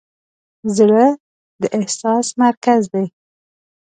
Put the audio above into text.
زړه د احساس مرکز دی.